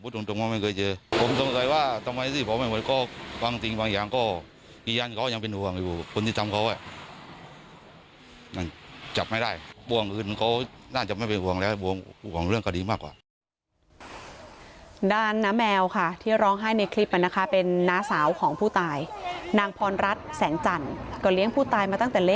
ด้านน้ำแมวค่ะที่ร้องไห้ในคลิปมันนะคะเป็นน้าสาวของผู้ตายนางพรรดิแสงจันทร์ก็เลี้ยงผู้ตายมาเท่าไหร่ครับ